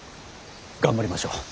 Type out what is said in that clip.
頑張りましょう。